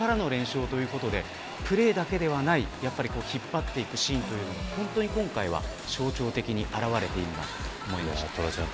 そこからの練習ということでプレーだけではない引っ張っていくシーンというのは今回は本当に象徴的に表れていました。